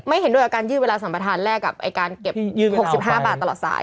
เห็นด้วยกับการยืดเวลาสัมประธานแลกกับการเก็บ๖๕บาทตลอดสาย